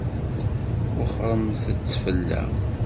Wexxṛemt-tt fell-aɣ.